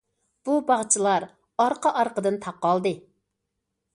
بۇ باغچىلار ئارقا- ئارقىدىن تاقالدى!